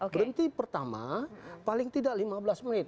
berhenti pertama paling tidak lima belas menit